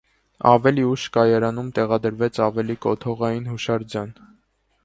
Ավելի ուշ կայարանում տեղադրվեց ավելի կոթողային հուշարձան։